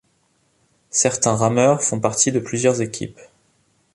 Certains rameurs font partie de plusieurs équipes.